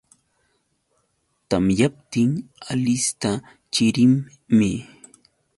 Tamyaptin Alista chirinmi